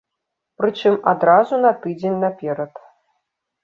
Прычым адразу на тыдзень наперад.